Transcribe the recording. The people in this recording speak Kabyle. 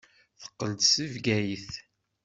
Teqqel-d seg Bgayet.